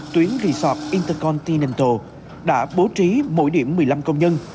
tuyến resort intercontinental đã bố trí mỗi điểm một mươi năm công nhân